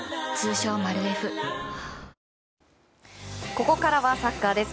ここからはサッカーです。